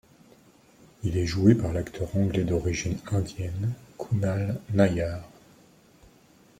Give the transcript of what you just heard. Il est joué par l'acteur anglais d'origine indienne, Kunal Nayyar.